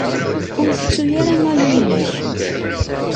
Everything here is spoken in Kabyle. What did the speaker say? Ur tettu ara amayu-inek.